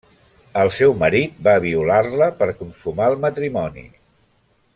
El seu marit va violar-la per consumar el matrimoni.